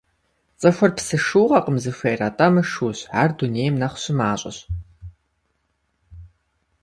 ЦӀыхур псы шыугъэкъым зыхуейр, атӀэ мышыущ, ар дунейм нэхъ щымащӀэщ.